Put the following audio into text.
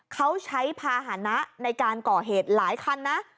เขาใช้ภาษณะในการก่อเหตุหลายคันนะ